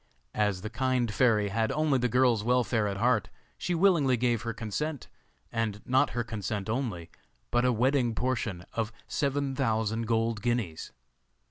As the kind fairy had only the girl's welfare at heart, she willingly gave her consent, and not her consent only, but a wedding portion of seven thousand golden guineas.